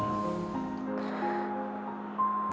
jagain mas haris dari karin